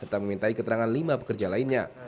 dan memintai keterangan lima pekerja lainnya